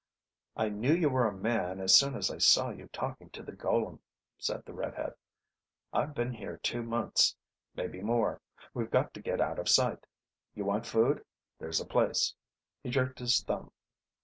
"I knew you were a man as soon as I saw you talking to the golem," said the red head. "I've been here two months; maybe more. We've got to get out of sight. You want food? There's a place ..." He jerked his thumb.